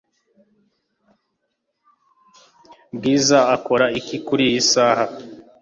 Bwiza akora iki kuriyi saha?